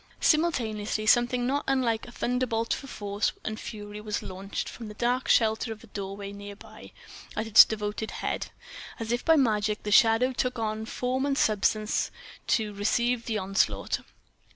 Simultaneously something not unlike a thunderbolt for force and fury was launched, from the dark shelter of a doorway near by, at its devoted head. And as if by magic the shadow took on form and substance to receive the onslaught.